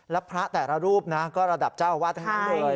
แล้วพระแต่ละรูปนะก็ระดับเจ้าอาวาสทั้งนั้นเลย